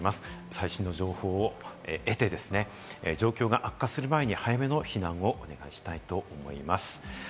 最新の情報を得て、状況が悪化する前に早めの避難をお願いしたいと思います。